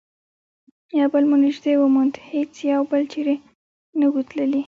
یو بل مو نژدې وموند، هیڅ یو بل چیري نه وو تللي.